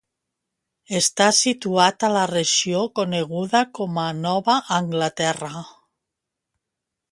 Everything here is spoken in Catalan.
Està situat a la regió coneguda com a Nova Anglaterra.